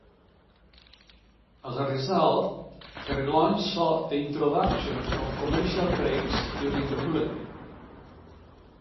As a result, the relaunch saw the introduction of commercial breaks during the bulletin.